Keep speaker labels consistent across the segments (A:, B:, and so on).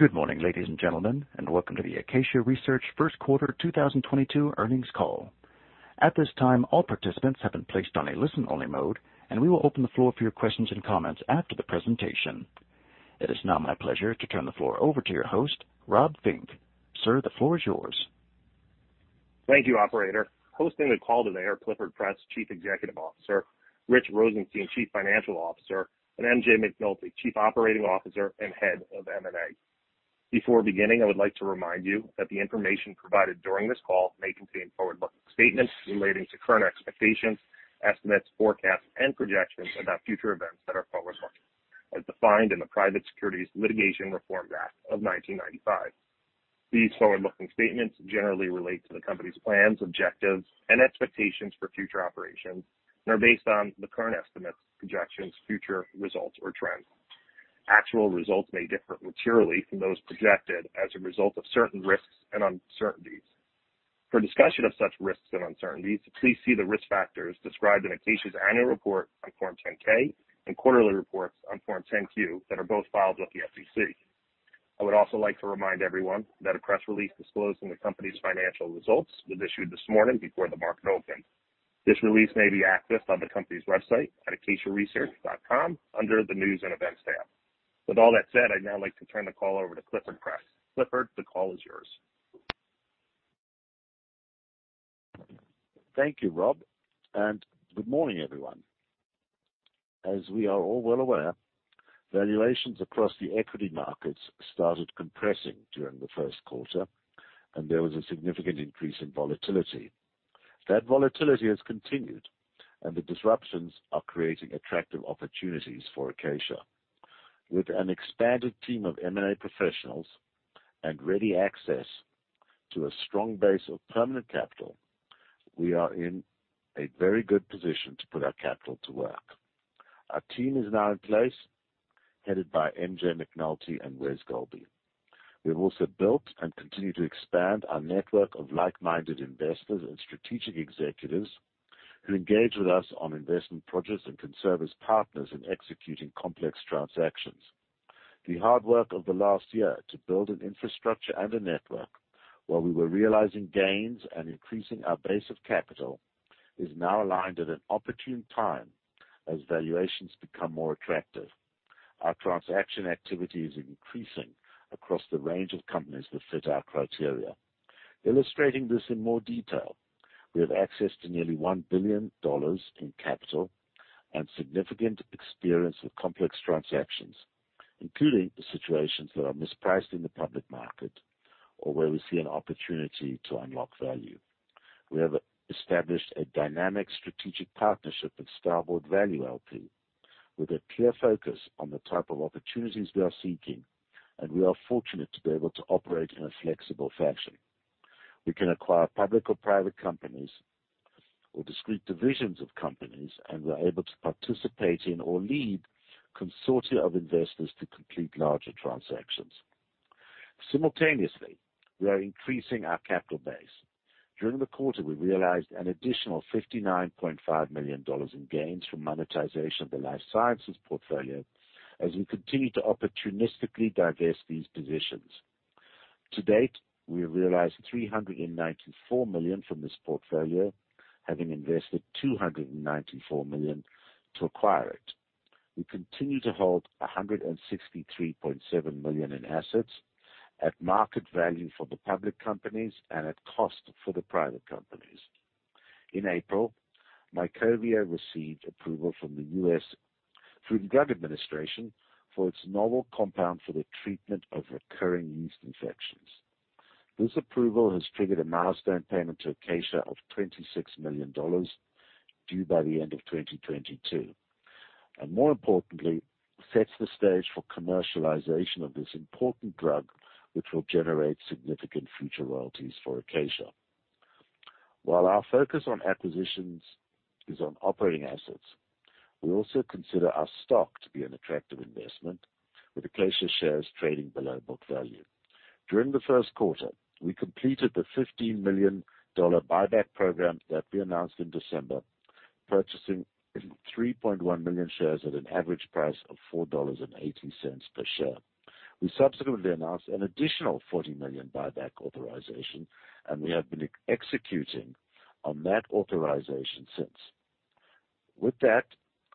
A: Good morning, ladies and gentlemen, and welcome to the Acacia Research First Quarter 2022 Earnings Call. At this time, all participants have been placed on a listen-only mode, and we will open the floor for your questions and comments after the presentation. It is now my pleasure to turn the floor over to your host, Rob Fink. Sir, the floor is yours.
B: Thank you, operator. Hosting the call today are Clifford Press, Chief Executive Officer, Rich Rosenstein, Chief Financial Officer, and MJ McNulty, Chief Operating Officer and head of M&A. Before beginning, I would like to remind you that the information provided during this call may contain forward-looking statements relating to current expectations, estimates, forecasts, and projections about future events that are forward-looking, as defined in the Private Securities Litigation Reform Act of 1995. These forward-looking statements generally relate to the company's plans, objectives, and expectations for future operations and are based on the current estimates, projections, future results or trends. Actual results may differ materially from those projected as a result of certain risks and uncertainties. For discussion of such risks and uncertainties, please see the risk factors described in Acacia's annual report on Form 10-K and quarterly reports on Form 10-Q that are both filed with the SEC. I would also like to remind everyone that a press release disclosing the company's financial results was issued this morning before the market opened. This release may be accessed on the company's website at acaciaresearch.com under the News and Events tab. With all that said, I'd now like to turn the call over to Clifford Press. Clifford, the call is yours.
C: Thank you, Rob, and good morning, everyone. As we are all well aware, valuations across the equity markets started compressing during the first quarter, and there was a significant increase in volatility. That volatility has continued, and the disruptions are creating attractive opportunities for Acacia. With an expanded team of M&A professionals and ready access to a strong base of permanent capital, we are in a very good position to put our capital to work. Our team is now in place, headed by MJ McNulty and Wes Golby. We have also built and continue to expand our network of like-minded investors and strategic executives who engage with us on investment projects and can serve as partners in executing complex transactions. The hard work of the last year to build an infrastructure and a network while we were realizing gains and increasing our base of capital is now aligned at an opportune time as valuations become more attractive. Our transaction activity is increasing across the range of companies that fit our criteria. Illustrating this in more detail, we have access to nearly $1 billion in capital and significant experience with complex transactions, including the situations that are mispriced in the public market or where we see an opportunity to unlock value. We have established a dynamic strategic partnership with Starboard Value LP with a clear focus on the type of opportunities we are seeking, and we are fortunate to be able to operate in a flexible fashion. We can acquire public or private companies or discrete divisions of companies, and we're able to participate in or lead consortia of investors to complete larger transactions. Simultaneously, we are increasing our capital base. During the quarter, we realized an additional $59.5 million in gains from monetization of the life sciences portfolio as we continue to opportunistically divest these positions. To date, we have realized $394 million from this portfolio, having invested $294 million to acquire it. We continue to hold $163.7 million in assets at market value for the public companies and at cost for the private companies. In April, Mycovia received approval from the U.S. Food and Drug Administration for its novel compound for the treatment of recurring yeast infections. This approval has triggered a milestone payment to Acacia of $26 million due by the end of 2022, and more importantly, sets the stage for commercialization of this important drug, which will generate significant future royalties for Acacia. While our focus on acquisitions is on operating assets, we also consider our stock to be an attractive investment, with Acacia shares trading below book value. During the first quarter, we completed the $15 million buyback program that we announced in December, purchasing 3.1 million shares at an average price of $4.80 per share. We subsequently announced an additional $40 million buyback authorization, and we have been executing on that authorization since. With that,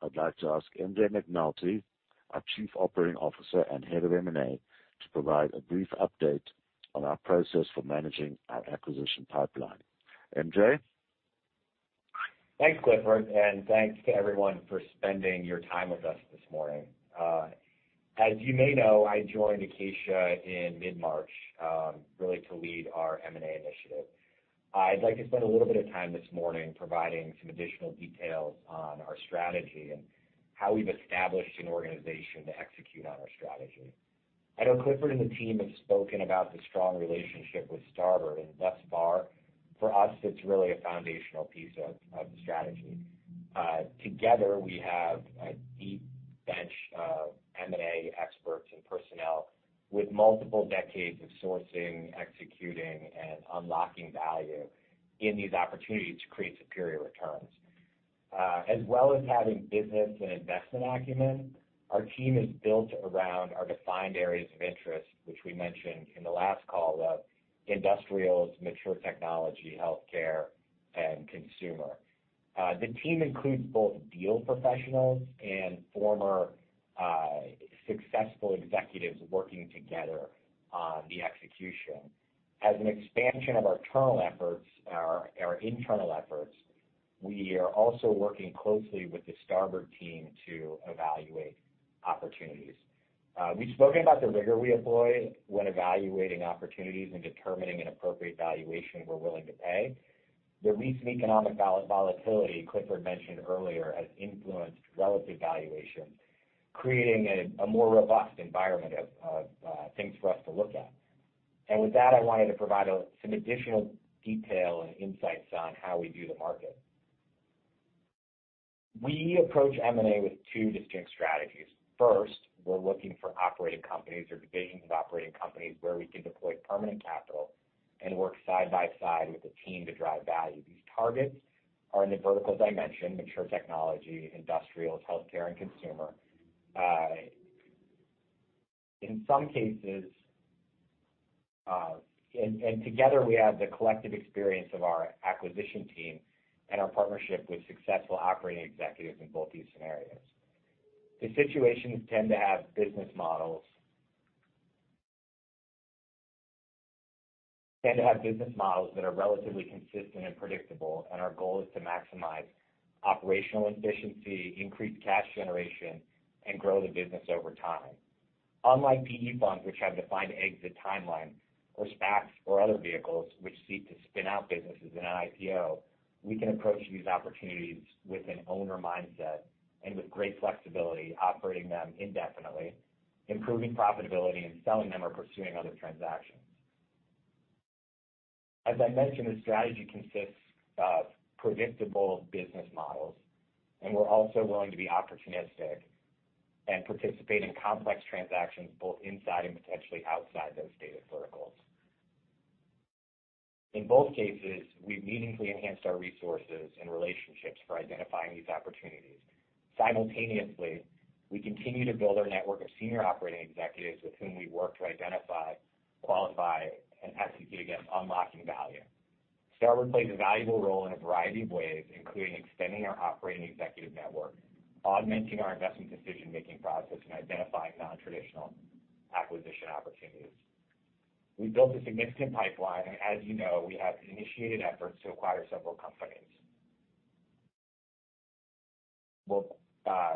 C: I'd like to ask MJ McNulty, our Chief Operating Officer and Head of M&A, to provide a brief update on our process for managing our acquisition pipeline. MJ?
D: Thanks, Clifford, and thanks to everyone for spending your time with us this morning. As you may know, I joined Acacia in mid-March, really to lead our M&A initiative. I'd like to spend a little bit of time this morning providing some additional details on our strategy and how we've established an organization to execute on our strategy. I know Clifford and the team have spoken about the strong relationship with Starboard, and thus far, for us, it's really a foundational piece of the strategy. Together, we have a deep bench of M&A experts and personnel with multiple decades of sourcing, executing, and unlocking value in these opportunities to create superior returns. As well as having business and investment acumen, our team is built around our defined areas of interest, which we mentioned in the last call of industrials, mature technology, healthcare, and consumer. The team includes both deal professionals and former successful executives working together on the execution. As an expansion of our internal efforts, we are also working closely with the Starboard team to evaluate opportunities. We've spoken about the rigor we employ when evaluating opportunities and determining an appropriate valuation we're willing to pay. The recent economic volatility Clifford mentioned earlier has influenced relative valuation, creating a more robust environment of things for us to look at. With that, I wanted to provide some additional detail and insights on how we view the market. We approach M&A with two distinct strategies. First, we're looking for operating companies or divisions of operating companies where we can deploy permanent capital and work side by side with the team to drive value. These targets are in the verticals I mentioned, mature technology, industrials, healthcare, and consumer. In some cases, together, we have the collective experience of our acquisition team and our partnership with successful operating executives in both these scenarios. The situations tend to have business models that are relatively consistent and predictable, and our goal is to maximize operational efficiency, increase cash generation, and grow the business over time. Unlike PE funds which have defined exit timeline or SPACs or other vehicles which seek to spin out businesses in an IPO, we can approach these opportunities with an owner mindset and with great flexibility, operating them indefinitely, improving profitability, and selling them or pursuing other transactions. As I mentioned, the strategy consists of predictable business models, and we're also willing to be opportunistic and participate in complex transactions both inside and potentially outside those stated verticals. In both cases, we've meaningfully enhanced our resources and relationships for identifying these opportunities. Simultaneously, we continue to build our network of senior operating executives with whom we work to identify, qualify, and execute against unlocking value. Starboard plays a valuable role in a variety of ways, including extending our operating executive network, augmenting our investment decision-making process, and identifying non-traditional acquisition opportunities. We've built a significant pipeline, and as you know, we have initiated efforts to acquire several companies. Well,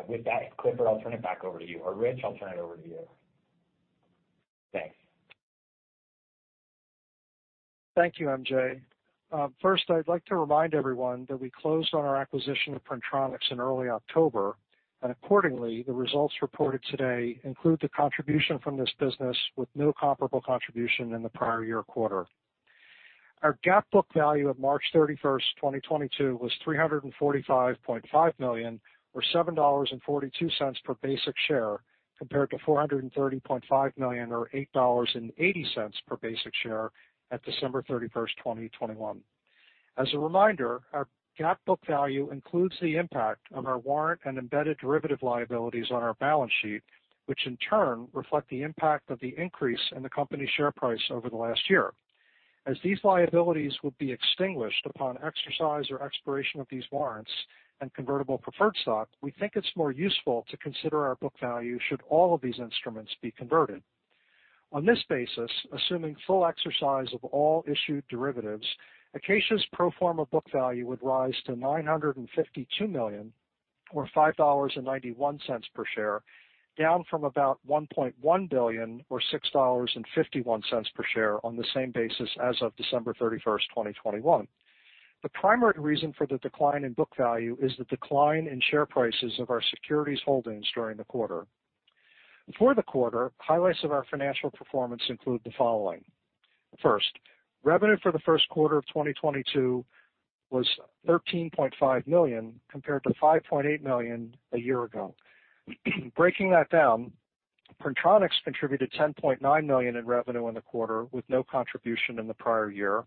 D: with that, Clifford, I'll turn it back over to you. Rich, I'll turn it over to you. Thanks.
E: Thank you, MJ. First, I'd like to remind everyone that we closed on our acquisition of Printronix in early October, and accordingly, the results reported today include the contribution from this business with no comparable contribution in the prior year quarter. Our GAAP book value of March 31, 2022 was $345.5 million, or $7.42 per basic share, compared to $430.5 million or $8.80 per basic share at December 31, 2021. As a reminder, our GAAP book value includes the impact of our warrant and embedded derivative liabilities on our balance sheet, which in turn reflect the impact of the increase in the company's share price over the last year. As these liabilities will be extinguished upon exercise or expiration of these warrants and convertible preferred stock, we think it's more useful to consider our book value should all of these instruments be converted. On this basis, assuming full exercise of all issued derivatives, Acacia's pro forma book value would rise to $952 million or $5.91 per share, down from about $1.1 billion or $6.51 per share on the same basis as of December 31, 2021. The primary reason for the decline in book value is the decline in share prices of our securities holdings during the quarter. For the quarter, highlights of our financial performance include the following. First, revenue for the first quarter of 2022 was $13.5 million, compared to $5.8 million a year ago. Breaking that down, Printronix contributed $10.9 million in revenue in the quarter, with no contribution in the prior year.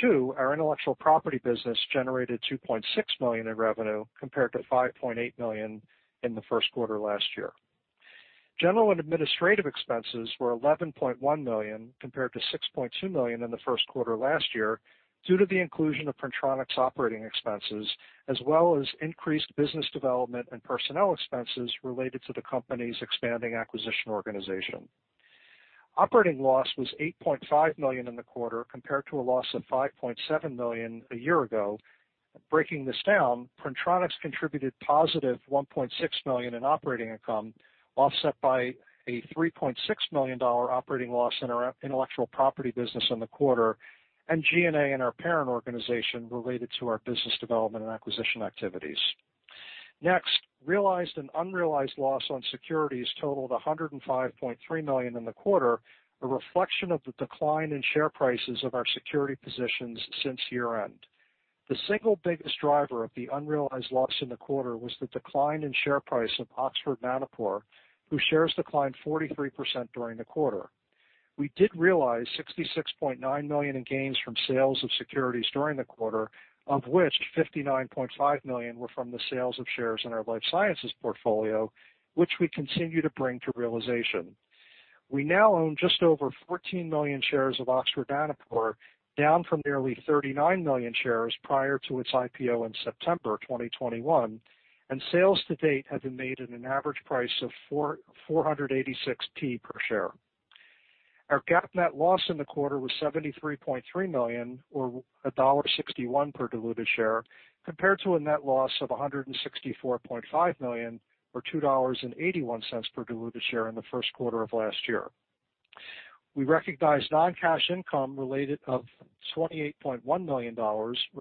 E: Two, our intellectual property business generated $2.6 million in revenue, compared to $5.8 million in the first quarter last year. General and administrative expenses were $11.1 million, compared to $6.2 million in the first quarter last year, due to the inclusion of Printronix operating expenses as well as increased business development and personnel expenses related to the company's expanding acquisition organization. Operating loss was $8.5 million in the quarter, compared to a loss of $5.7 million a year ago. Breaking this down, Printronix contributed positive $1.6 million in operating income, offset by a $3.6 million operating loss in our intellectual property business in the quarter and G&A in our parent organization related to our business development and acquisition activities. Next, realized and unrealized loss on securities totaled $105.3 million in the quarter, a reflection of the decline in share prices of our security positions since year-end. The single biggest driver of the unrealized loss in the quarter was the decline in share price of Oxford Nanopore, whose shares declined 43% during the quarter. We did realize $66.9 million in gains from sales of securities during the quarter, of which $59.5 million were from the sales of shares in our life sciences portfolio, which we continue to bring to realization. We now own just over 14 million shares of Oxford Nanopore, down from nearly 39 million shares prior to its IPO in September 2021, and sales to date have been made at an average price of 4.86 per share. Our GAAP net loss in the quarter was $73.3 million or $1.61 per diluted share, compared to a net loss of $164.5 million or $2.81 per diluted share in the first quarter of last year. We recognized non-cash income of $28.1 million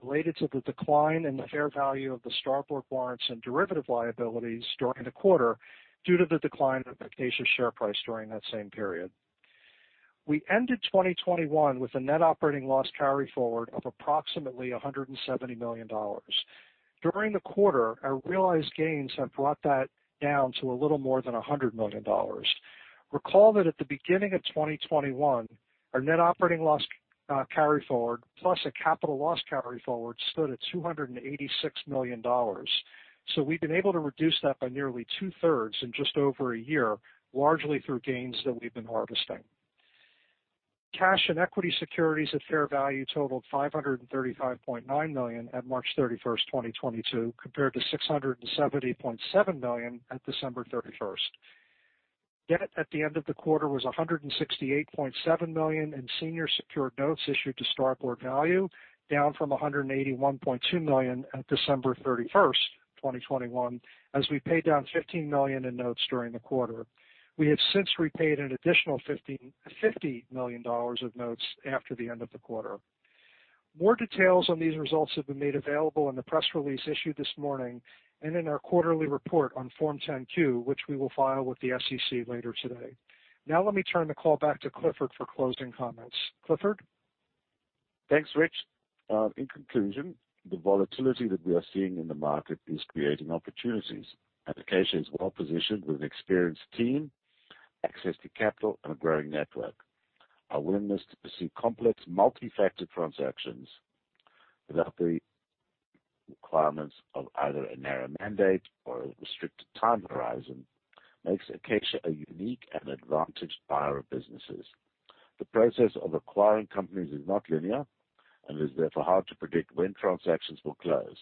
E: related to the decline in the fair value of the Starboard warrants and derivative liabilities during the quarter due to the decline of Acacia's share price during that same period. We ended 2021 with a net operating loss carryforward of approximately $170 million. During the quarter, our realized gains have brought that down to a little more than $100 million. Recall that at the beginning of 2021, our net operating loss carryforward plus a capital loss carryforward stood at $286 million. We've been able to reduce that by nearly two-thirds in just over a year, largely through gains that we've been harvesting. Cash and equity securities at fair value totaled $535.9 million at March 31, 2022, compared to $670.7 million at December 31. Debt at the end of the quarter was $168.7 million in senior secured notes issued to Starboard Value, down from $181.2 million at December 31, 2021, as we paid down $15 million in notes during the quarter. We have since repaid an additional $50 million of notes after the end of the quarter. More details on these results have been made available in the press release issued this morning and in our quarterly report on Form 10-Q, which we will file with the SEC later today. Now let me turn the call back to Clifford for closing comments. Clifford?
C: Thanks, Rich. In conclusion, the volatility that we are seeing in the market is creating opportunities. Acacia is well positioned with an experienced team, access to capital and a growing network. Our willingness to pursue complex multi-factor transactions without the requirements of either a narrow mandate or a restricted time horizon makes Acacia a unique and advantaged buyer of businesses. The process of acquiring companies is not linear and is therefore hard to predict when transactions will close.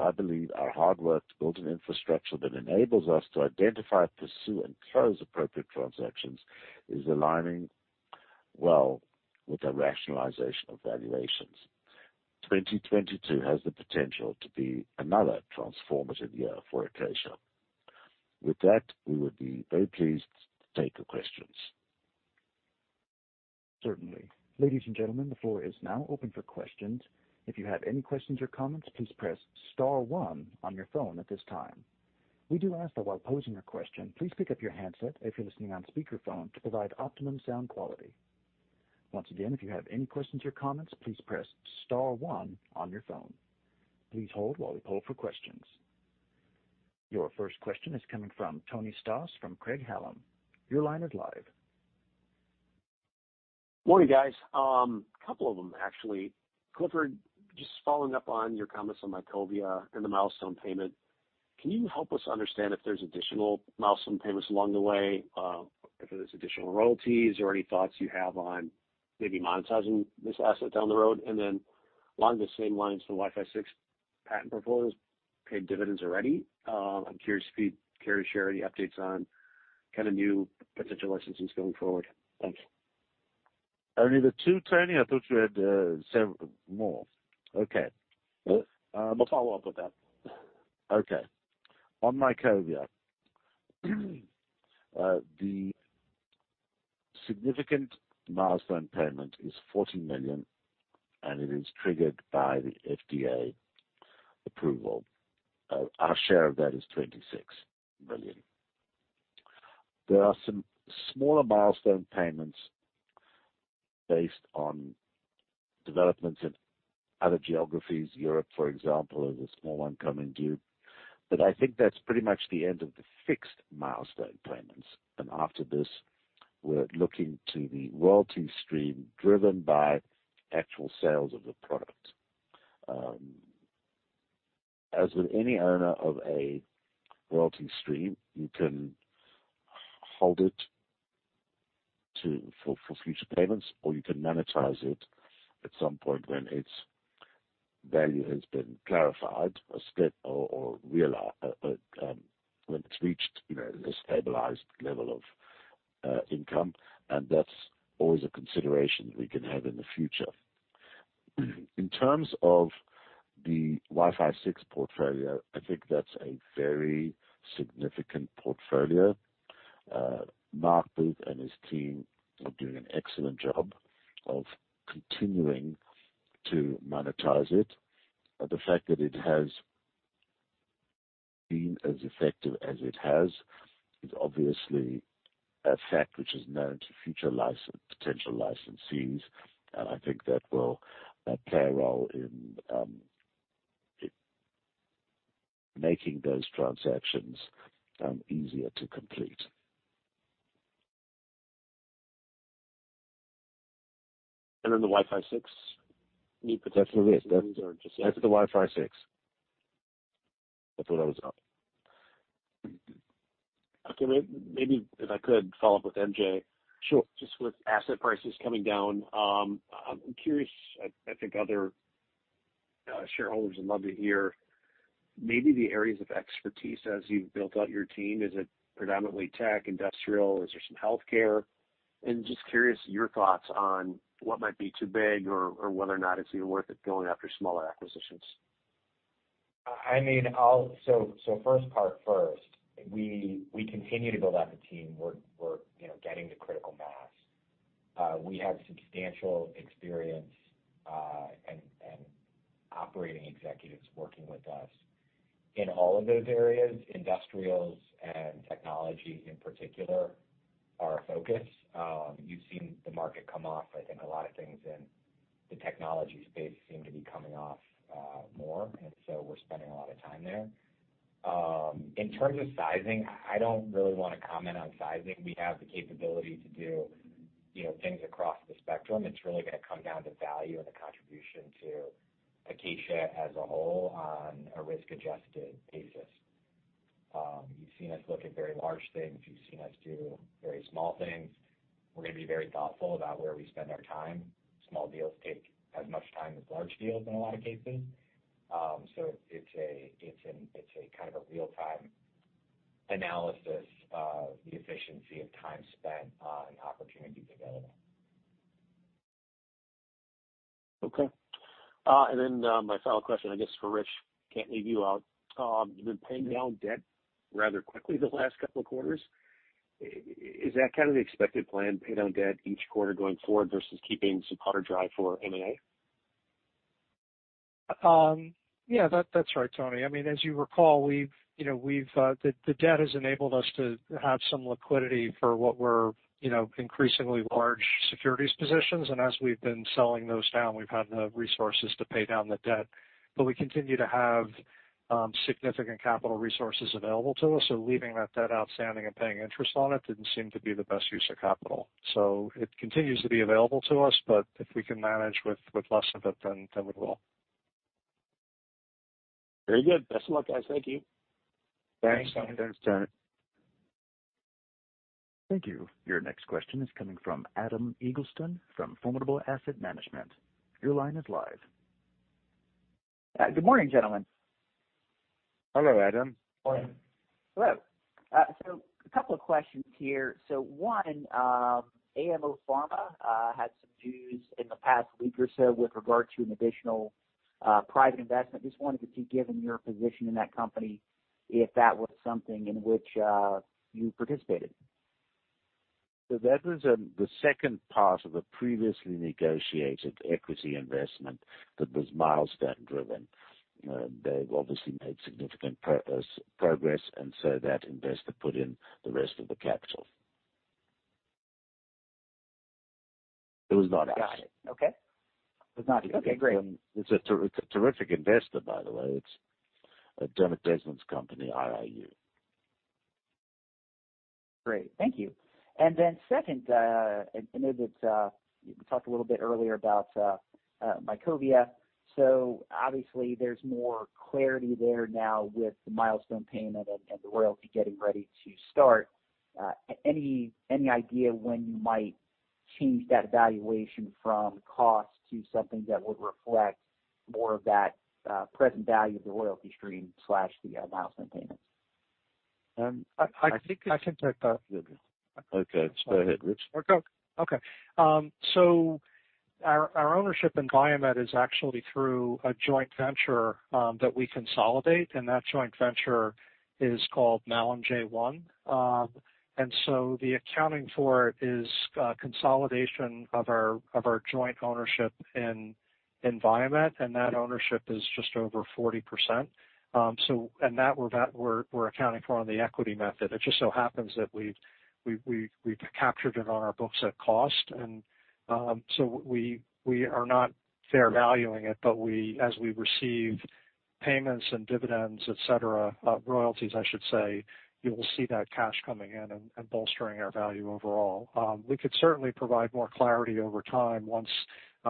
C: I believe our hard work to build an infrastructure that enables us to identify, pursue, and close appropriate transactions is aligning well with the rationalization of valuations. 2022 has the potential to be another transformative year for Acacia. With that, we would be very pleased to take your questions.
A: Certainly. Ladies and gentlemen, the floor is now open for questions. If you have any questions or comments, please press star one on your phone at this time. We do ask that while posing your question, please pick up your handset if you're listening on speakerphone to provide optimum sound quality. Once again, if you have any questions or comments, please press star one on your phone. Please hold while we poll for questions. Your first question is coming from Anthony Stoss from Craig-Hallum. Your line is live.
F: Morning, guys. A couple of them actually. Clifford, just following up on your comments on Mycovia and the milestone payment, can you help us understand if there's additional milestone payments along the way, if there's additional royalties or any thoughts you have on maybe monetizing this asset down the road? Along the same lines, the Wi-Fi 6 patent portfolios paid dividends already. I'm curious if you care to share any updates on kinda new potential licenses going forward. Thanks.
C: Only the two, Tony? I thought you had more. Okay.
F: We'll follow up with that.
C: Okay. On Mycovia, the significant milestone payment is $40 million, and it is triggered by the FDA approval. Our share of that is $26 million. There are some smaller milestone payments based on developments in other geographies. Europe, for example, has a small one coming due. But I think that's pretty much the end of the fixed milestone payments. After this, we're looking to the royalty stream driven by actual sales of the product. As with any owner of a royalty stream, you can hold it for future payments, or you can monetize it at some point when its value has been clarified or stabilized or realized, when it's reached, you know, a stabilized level of income. That's always a consideration we can have in the future. In terms of the Wi-Fi 6 portfolio, I think that's a very significant portfolio. Marc Booth and his team are doing an excellent job of continuing to monetize it. The fact that it has been as effective as it has is obviously a fact which is known to future potential licensees. I think that will play a role in it making those transactions easier to complete.
F: The Wi-Fi 6 need potential.
C: Definitely. As to the Wi-Fi 6.
F: That's what I was up. Okay. Maybe if I could follow up with MJ.
D: Sure.
F: Just with asset prices coming down, I'm curious, I think other shareholders would love to hear maybe the areas of expertise as you've built out your team. Is it predominantly tech, industrial? Is there some healthcare? Just curious your thoughts on what might be too big or whether or not it's even worth it going after smaller acquisitions.
D: I mean first part first, we continue to build out the team. We're, you know, getting to critical mass. We have substantial experience and operating executives working with us. In all of those areas, industrials and technology in particular are a focus. You've seen the market come off. I think a lot of things in the technology space seem to be coming off more, and so we're spending a lot of time there. In terms of sizing, I don't really wanna comment on sizing. We have the capability to do, you know, things across the spectrum. It's really gonna come down to value and the contribution to Acacia as a whole on a risk-adjusted basis. You've seen us look at very large things. You've seen us do very small things. We're gonna be very thoughtful about where we spend our time. Small deals take as much time as large deals in a lot of cases. It's a kind of a real-time analysis of the efficiency of time spent, and opportunities available.
F: Okay. My final question, I guess, for Rich, can't leave you out. You've been paying down debt rather quickly the last couple of quarters. Is that kind of the expected plan, pay down debt each quarter going forward versus keeping some powder dry for M&A?
C: That's right, Anthony. I mean, as you recall, we've, you know, the debt has enabled us to have some liquidity for whatever, you know, increasingly large securities positions. As we've been selling those down, we've had the resources to pay down the debt. We continue to have significant capital resources available to us, so leaving that debt outstanding and paying interest on it didn't seem to be the best use of capital. It continues to be available to us, but if we can manage with less of it, then we will.
F: Very good. Best of luck, guys. Thank you.
C: Thanks, Anthony.
D: Thanks, Tony.
A: Thank you. Your next question is coming from Adam Eagleston from Formidable Asset Management. Your line is live.
G: Good morning, gentlemen.
C: Hello, Adam.
D: Morning.
G: Hello. A couple of questions here. One, AMO Pharma had some news in the past week or so with regard to an additional private investment. Just wondering if you've given your position in that company, if that was something in which you participated.
C: that was the second part of a previously negotiated equity investment that was milestone driven. They've obviously made significant progress, and so that investor put in the rest of the capital. It was not us.
G: Got it. Okay. It was not you. Okay, great.
C: It's a terrific investor, by the way. It's Dermot Desmond's company, IIU.
G: Great. Thank you. Then second, I know that you talked a little bit earlier about Mycovia. So obviously there's more clarity there now with the milestone payment and the royalty getting ready to start. Any idea when you might change that valuation from cost to something that would reflect more of that present value of the royalty stream, the milestone payments?
C: I think.
E: I think I can take that.
C: Okay. Go ahead, Rich.
E: Our ownership in Viamet is actually through a joint venture that we consolidate, and that joint venture is called MalinJ1. The accounting for it is consolidation of our joint ownership in Viamet, and that ownership is just over 40%. We're accounting for it on the equity method. It just so happens that we've captured it on our books at cost. We are not fair valuing it, but as we receive payments and dividends, et cetera, royalties, I should say, you'll see that cash coming in and bolstering our value overall. We could certainly provide more clarity over time once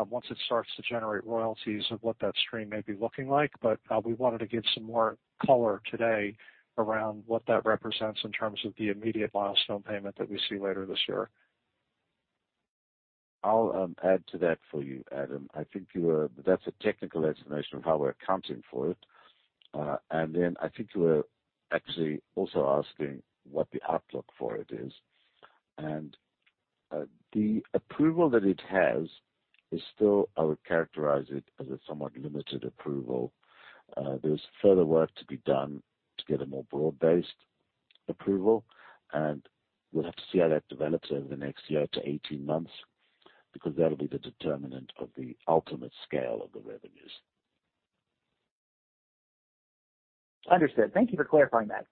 E: it starts to generate royalties of what that stream may be looking like. We wanted to give some more color today around what that represents in terms of the immediate milestone payment that we see later this year.
C: I'll add to that for you, Adam. I think you were. That's a technical explanation of how we're accounting for it. Then I think you were actually also asking what the outlook for it is. The approval that it has is still, I would characterize it as a somewhat limited approval. There's further work to be done to get a more broad-based approval, and we'll have to see how that develops over the next year to 18 months, because that'll be the determinant of the ultimate scale of the revenues.
G: Understood. Thank you for clarifying that.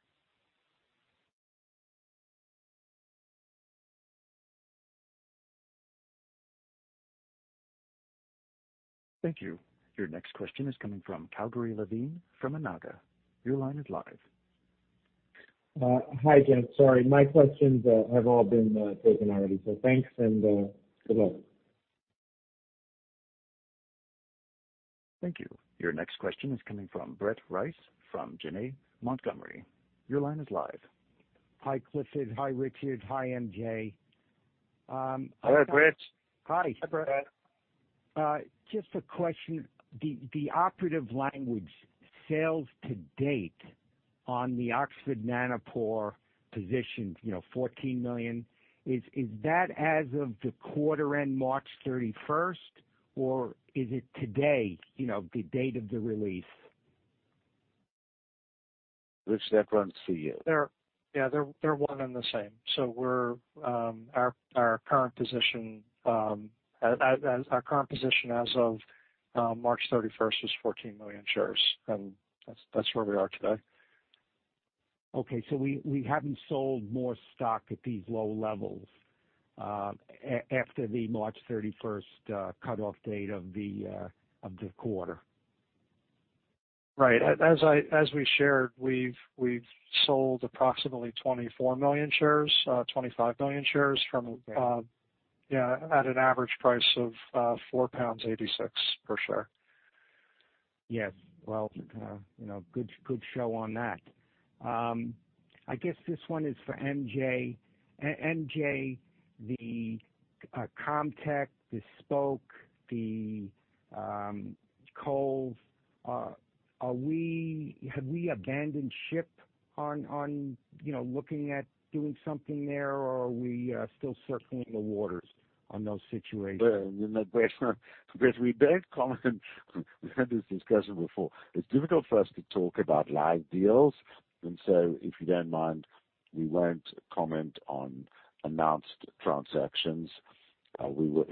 A: Thank you. Your next question is coming from Calgary Leveen from Anhinga. Your line is live.
H: Hi, Jim. Sorry, my questions have all been taken already, so thanks and good luck.
A: Thank you. Your next question is coming from Brett Reiss from Janney Montgomery Scott. Your line is live.
I: Hi, Clifford. Hi, Rich. Hi, MJ.
C: Hello, Brett.
I: Hi.
C: Hi, Brett.
I: Just a question, the operative language sales to date on the Oxford Nanopore position, you know, $14 million is that as of the quarter end March 31, or is it today, you know, the date of the release?
C: That runs to you.
E: They're one and the same. Our current position as of March 31st was 14 million shares, and that's where we are today.
I: Okay. We haven't sold more stock at these low levels after the March 31st cutoff date of the quarter.
E: Right. As we shared, we've sold approximately 24 million shares, 25 million shares from,
I: Okay.
E: Yeah, at an average price of 4.86 pounds per share.
I: Yes. Well, you know, good show on that. I guess this one is for MJ. MJ, the Comtech, the Spok, the Kohl's, have we abandoned ship on you know, looking at doing something there, or are we still circling the waters on those situations?
C: Well, you know, Brett, we don't comment. We've had this discussion before. It's difficult for us to talk about live deals. If you don't mind, we won't comment on announced transactions. We will.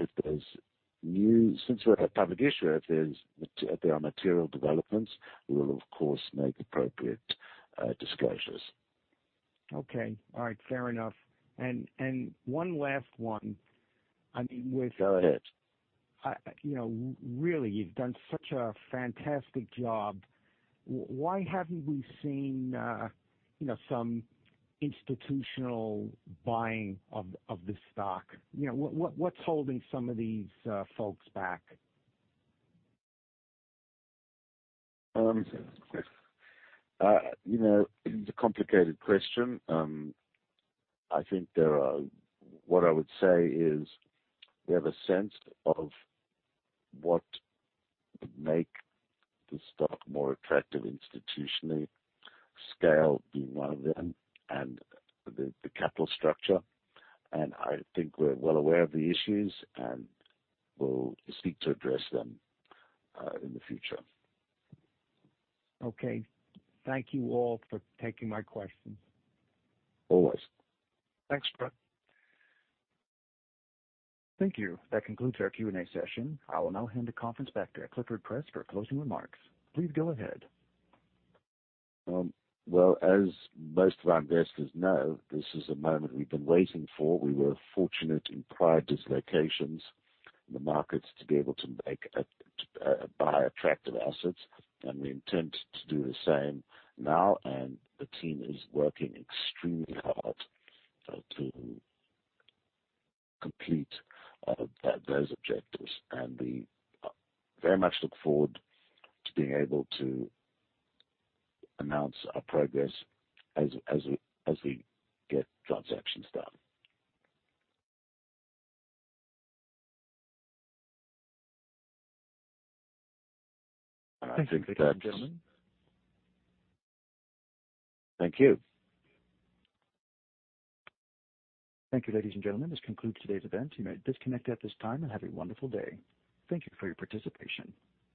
C: Since we're a public issuer, if there are material developments, we will of course make appropriate disclosures.
I: Okay. All right, fair enough. One last one. I mean,
C: Go ahead.
I: You know, really, you've done such a fantastic job. Why haven't we seen you know, some institutional buying of the stock? You know, what's holding some of these folks back?
C: You know, it's a complicated question. What I would say is we have a sense of what would make the stock more attractive institutionally, scale being one of them, and the capital structure. I think we're well aware of the issues, and we'll seek to address them in the future.
I: Okay. Thank you all for taking my questions.
C: Always.
E: Thanks, Brett.
A: Thank you. That concludes our Q&A session. I will now hand the conference back to Clifford Press for closing remarks. Please go ahead.
C: Well, as most of our investors know, this is a moment we've been waiting for. We were fortunate in prior dislocations in the markets to be able to buy attractive assets, and we intend to do the same now. The team is working extremely hard to complete those objectives. We very much look forward to being able to announce our progress as we get transactions done. I think that's.
A: Thank you, ladies and gentlemen.
C: Thank you.
A: Thank you, ladies and gentlemen. This concludes today's event. You may disconnect at this time and have a wonderful day. Thank you for your participation.